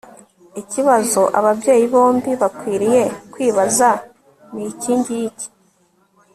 Ikibazo ababyeyi bombi bakwiriye kwibaza ni ikingiki